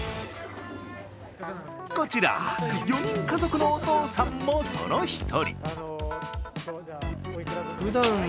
こちら、４人家族のお父さんもその１人。